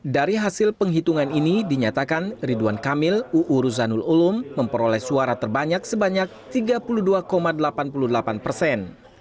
dari hasil penghitungan ini dinyatakan ridwan kamil uu ruzanul ulum memperoleh suara terbanyak sebanyak tiga puluh dua delapan puluh delapan persen